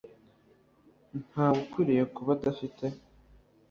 ntawe ukwiye kuba adafite